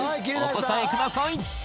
お答えください！